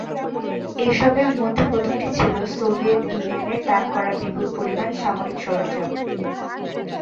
এসবের মধ্যে প্রথমটি ছিল সোভিয়েত ইউনিয়নের দান করা বিপুল পরিমাণ সামরিক সরঞ্জাম।